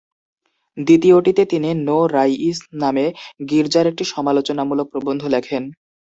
দ্বিতীয়টিতে তিনি "নো রাইয়িস" নামে গির্জার একটি সমালোচনামূলক প্রবন্ধ লেখেন।